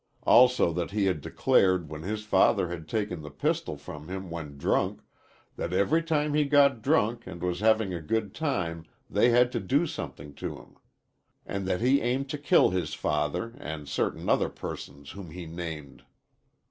Also that he had declared when his father had taken the pistol from him when drunk, that every time he got drunk and was having a good time, they had to do something to him, and that he aimed to kill his father and certain other persons whom he named.